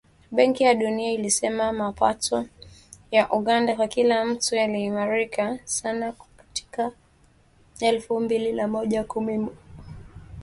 Benki ya Dunia ilisema mapato ya Uganda kwa kila mtu yaliimarika sana kati ya mwaka elfu mbili na moja na elfu mbili kumi na moja